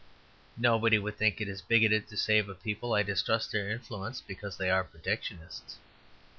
Nobody would think it bigoted to say of a people, "I distrust their influence because they are Protectionists."